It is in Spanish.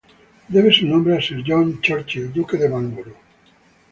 Debe su nombre a Sir John Churchill, duque de Marlborough.